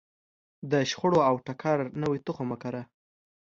د شخړو او ټکر نوی تخم وکره.